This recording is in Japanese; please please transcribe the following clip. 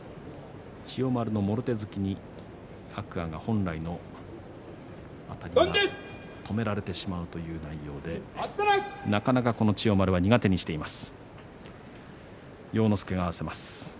千代丸のもろ手突きに天空海が本来のあたりが止められてしまうという内容でなかなか千代丸を苦手にしています。